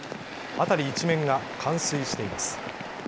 辺り一面が冠水しています。